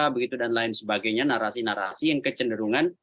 begitu dan lain sebagainya narasi narasi yang kecenderungan